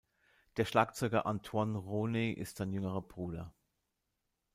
Der Schlagzeuger Antoine Roney ist sein jüngerer Bruder.